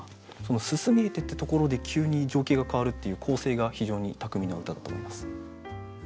「煤見えて」っていうところで急に情景が変わるっていう構成が非常に巧みな歌だと思います。